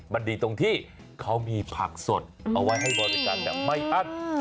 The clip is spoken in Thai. มันดีตรงที่เขามีผักสดเอาไว้ให้บริการแบบไม่อั้น